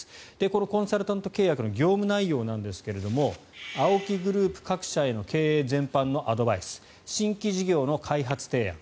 このコンサルタント契約の業務内容ですがＡＯＫＩグループ各社への経営全般のアドバイス新規事業の開発提案